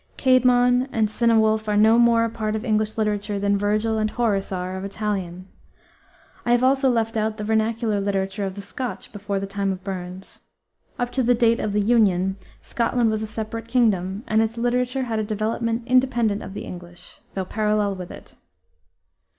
Caedmon and Cynewulf are no more a part of English literature than Vergil and Horace are of Italian. I have also left out the vernacular literature of the Scotch before the time of Burns. Up to the date of the union Scotland was a separate kingdom, and its literature had a development independent of the English, though parallel with it.